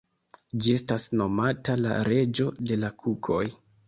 Ĝi estas nomata la „reĝo de la kukoj“.